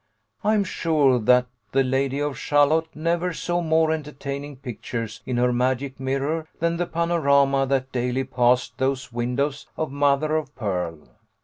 I am sure that the Lady of Shalott never saw more entertaining pictures in her magic mirror than the panorama that daily passed those windows of mother of pearl.